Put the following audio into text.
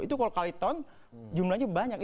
itu kalau kali ton jumlahnya banyak